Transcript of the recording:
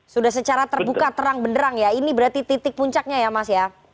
sudah secara terbuka terang benderang ya ini berarti titik puncaknya ya mas ya